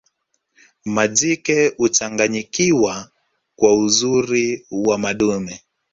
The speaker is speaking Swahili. majike huchanganyikiwa kwa uzuri wa madume